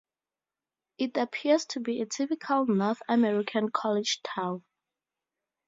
It appears to be a typical North American college town.